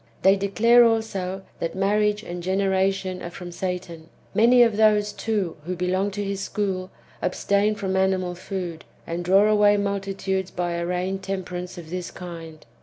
They declare also, that marriage and generation are from Satan. Many of those, too, who belong to his school, abstain from animal food, and draw away multitudes by a feigned temperance of this kind.